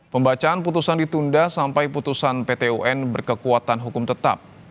pembacaan putusan ditunda sampai putusan pt un berkekuatan hukum tetap